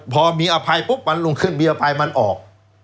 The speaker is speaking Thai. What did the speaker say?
พอมีอภัยปุ๊บวันรุ่งขึ้นมีอภัยมันออก